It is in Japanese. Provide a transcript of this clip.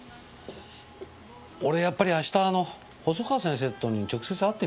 俺やっぱり明日あの細川先生と直接会ってみて。